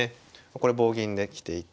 これ棒銀できていて。